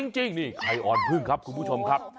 จริงนี่ไข่อ่อนพึ่งครับคุณผู้ชมครับ